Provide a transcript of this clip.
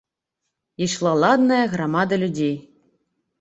Ішла ладная грамада людзей.